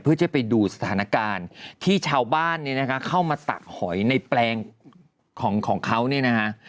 เพื่อจะไปดูสถานการณ์ที่ชาวบ้านเนี่ยนะคะเข้ามาตักหอยในแปลงของเขาเนี่ยนะคะ